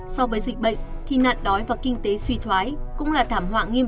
so với dịch bệnh thì nạn đói và kinh tế suy thoái cũng là thảm họa nghiêm